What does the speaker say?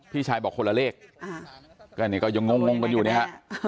พี่ชายบอกคนละเลขก็นี่ก็ยังงงกันอยู่นะฮะ